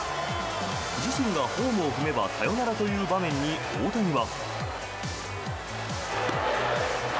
自身がホームを踏めばサヨナラという場面に大谷は。